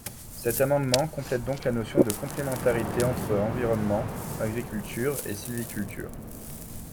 Cet amendement complète donc la notion de complémentarité entre environnement, agriculture et sylviculture.